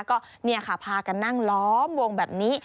ก็พากันนั่งล้อมวงแบบนี้